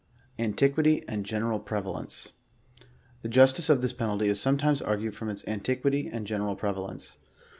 ANTIQUITY AND GENERAL PREVALENCE. The justice of this penalty is sometimes argued from its anti quity and general prevalence.